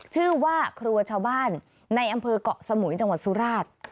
ชื่อว่าครัวชาวบ้านในอำเภอกเกาะสมุยจังหวัดสุราช